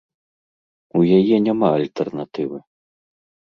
У яе няма альтэрнатывы.